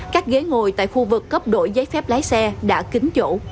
các ghế ngồi tại khu vực cấp đổi giấy phép lái xe đã kính chỗ